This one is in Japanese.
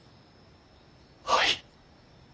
はい。